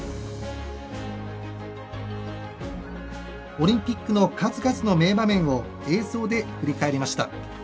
オリンピックの数々の名場面を映像で振り返りました。